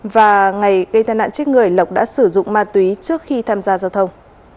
và ngày gây tai nạn chết người lộc đã sử dụng ma túy trước khi tham gia giao thông